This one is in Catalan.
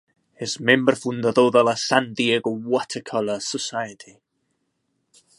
És membre fundador de la San Diego Watercolor Society.